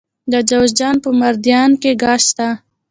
د جوزجان په مردیان کې ګاز شته.